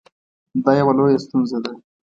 دا یوه لویه ستونزه ده